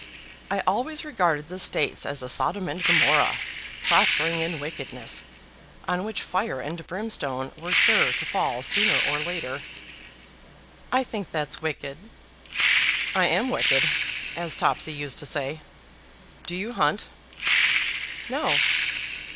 I always regarded the States as a Sodom and Gomorrah, prospering in wickedness, on which fire and brimstone were sure to fall sooner or later." "I think that's wicked." "I am wicked, as Topsy used to say. Do you hunt?" "No."